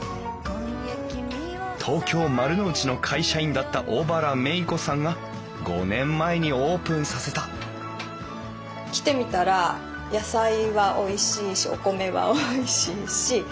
東京・丸の内の会社員だった小原メイコさんが５年前にオープンさせた来てみたら野菜はおいしいしお米はおいしいし